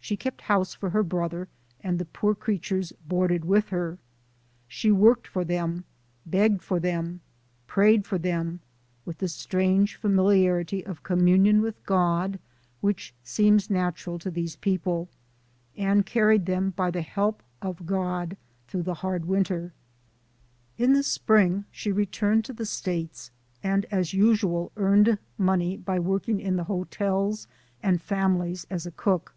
She kept house for her brother, and the poor creatures boarded with her. She worked for them, begged for them, prayed for them, with the strange familiarity of communion with God which seems natural to these people, and carried them by the help of God through the hard winter. 78 SOME SCENES IN THE "In the spring she returned to the States, and as usual earned money by working in hotels and families as a cook.